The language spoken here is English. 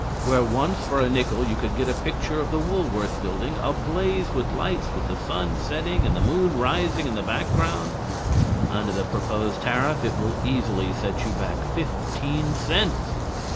Where once for a nickel you could get a picture of the Woolworth Building ablaze with lights with the sun setting and the moon rising in the background, under the proposed tariff it will easily set you back fifteen cents.